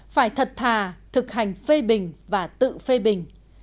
phải thật thà thực hành phê bình và tự phê bình